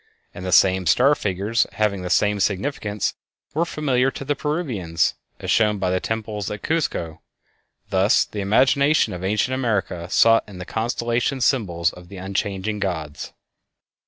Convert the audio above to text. And the same star figures, having the same significance, were familiar to the Peruvians, as shown by the temples at Cuzco. Thus the imagination of ancient America sought in the constellations symbols of the unchanging gods.